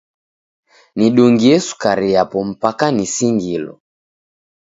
Nidungie sukari yapo mpaka nisingilo!